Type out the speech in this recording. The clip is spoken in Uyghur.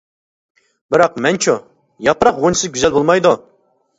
بىراق مەنچۇ؟ ؟ ياپراق غۇنچىسىز گۈزەل بولمايدۇ.